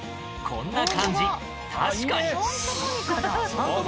こんな感じ確かに！